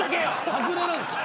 外れなんですか？